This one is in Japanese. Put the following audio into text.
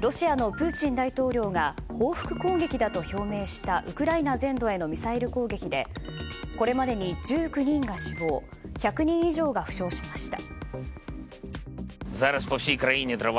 ロシアのプーチン大統領が報復攻撃だと表明したウクライナ全土へのミサイル攻撃でこれまでに１９人が死亡１００人以上が負傷しました。